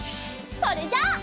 それじゃあ。